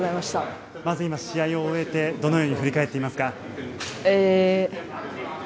まず今、試合を終えてどのように振り返っていますか。